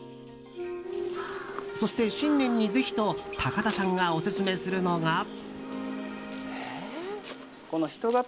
そして、新年にぜひと高田さんがオススメするのが。